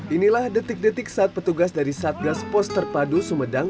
inilah detik detik saat petugas dari satgas pos terpadu sumedang